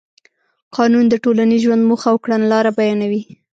قانون د ټولنیز ژوند موخه او کړنلاره بیانوي.